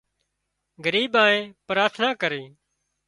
ڳريبائين پراٿنا ڪري